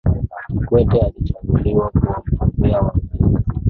kikwete alichaguliwa kuwa mgombea wa uraisi